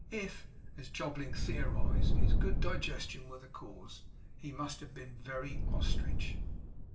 If, as Jobling theorized, his good digestion were the cause, he must have been a very ostrich.